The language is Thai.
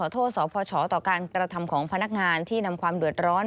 โทษสพชต่อการกระทำของพนักงานที่นำความเดือดร้อน